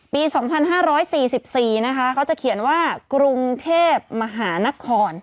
ปี๒๕๔๔นะคะเขาจะเขียนว่ากรุงเทพมหานคร